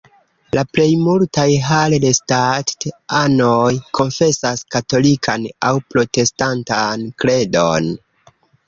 La plej multaj Hallstatt-anoj konfesas katolikan aŭ protestantan kredon.